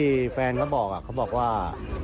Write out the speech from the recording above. แฟนเขาบอกเขาบอกว่า